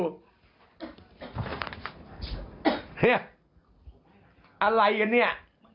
เนี่ยอะไรกันเนี่ย